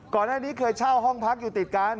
ก่อนหน้านี้เคยเช่าห้องพักอยู่ติดกัน